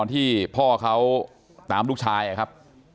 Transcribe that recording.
ที่พ่อเขาตามลูกชายครับ